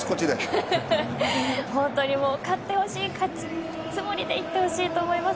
本当にもう勝ってほしい勝つつもりでいってほしいと思います。